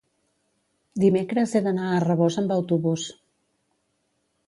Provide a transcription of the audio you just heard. dimecres he d'anar a Rabós amb autobús.